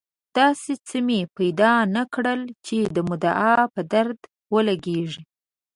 داسې څه مې پیدا نه کړل چې د مدعا په درد ولګېږي.